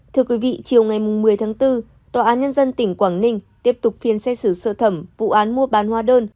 thưa quý vị chiều ngày một mươi tháng bốn tòa án nhân dân tỉnh quảng ninh tiếp tục phiên xét xử sơ thẩm vụ án mua bán hóa đơn